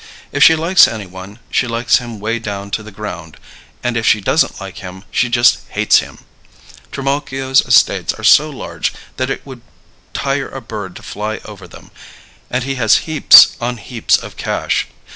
If she likes any one, she likes him way down to the ground, and if she doesn't like him, she just hates him! Trimalchio's estates are so large that it would tire a bird to fly over them, and he has heaps on heaps of cash.